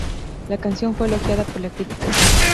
La canción fue elogiada por la crítica.